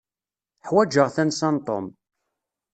Ḥwaǧeɣ tansa n Tom.